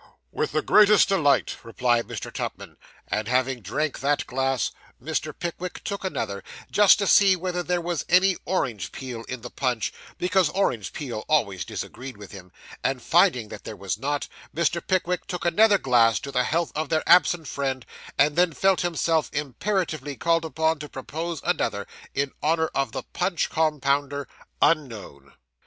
'With the greatest delight,' replied Mr. Tupman; and having drank that glass, Mr. Pickwick took another, just to see whether there was any orange peel in the punch, because orange peel always disagreed with him; and finding that there was not, Mr. Pickwick took another glass to the health of their absent friend, and then felt himself imperatively called upon to propose another in honour of the punch compounder, unknown.